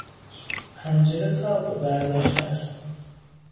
پنجره تاب برداشته است.